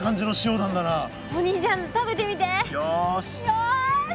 よし！